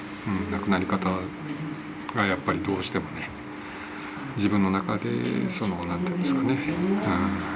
亡くなり方がやっぱりどうしてもね自分の中でその何ていうんですかね